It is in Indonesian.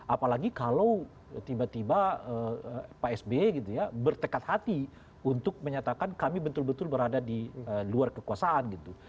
apalagi kalau tiba tiba pak sby gitu ya bertekad hati untuk menyatakan kami betul betul berada di luar kekuasaan gitu